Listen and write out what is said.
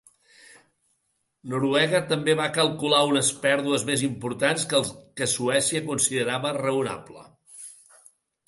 Noruega també va calcular unes pèrdues més importants que el que Suècia considerava raonable.